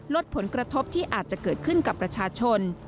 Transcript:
ลดผลกระทบที่อาจจะเกิดขึ้นกับประชาชน